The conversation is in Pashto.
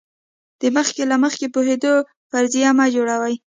د مخکې له مخکې پوهېدو فرضیه مه جوړوئ.